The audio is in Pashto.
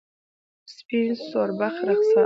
سپین سوربخن رخسار